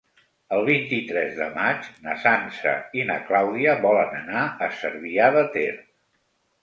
El vint-i-tres de maig na Sança i na Clàudia volen anar a Cervià de Ter.